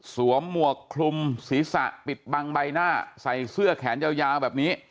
หมวกคลุมศีรษะปิดบังใบหน้าใส่เสื้อแขนยาวแบบนี้